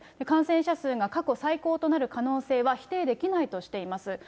感染者数が過去最高となる可能性は否定できないとしています。